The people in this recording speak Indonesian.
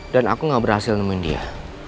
dan aku gak berhasil nemuin dia